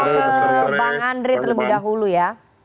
saya ke bang andre terlebih dahulu ya